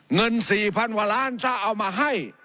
เงิน๔๐๐๐กว่าล้านถ้าเอามาให้